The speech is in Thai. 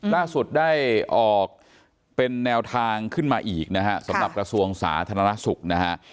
ล่าสุดได้ออกเป็นแนวทางขึ้นมาอีกนะฮะสำหรับกระทรวงสาธารณสุขนะฮะ